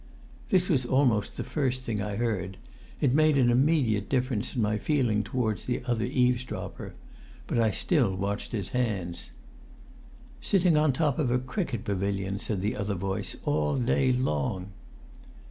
That was almost the first thing I heard. It made an immediate difference in my feeling towards the other eavesdropper. But I still watched his hands. "Sitting on top of a cricket pavilion," said the other voice, "all day long!"